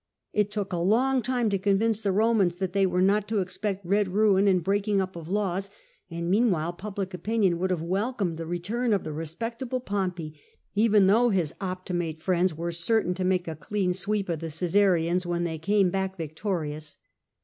It took a long time to convince the Romans that they were not to expect red ruin and the breaking up of laws," and meanwhile public opinion would have welcomed the return of the respectable Pompey, even though his Optimat© friends wore certain to make a clean sweep of the Caesarians when they came back victorious.